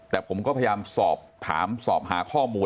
แต่ผมก็พยายามสอบถามสอบหาข้อมูล